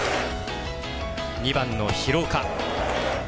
２番の廣岡。